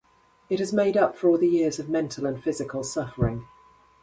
It has made up for all the years of mental and physical suffering.